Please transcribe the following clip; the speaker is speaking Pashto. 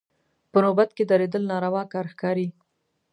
په نوبت کې درېدل ناروا کار ښکاري.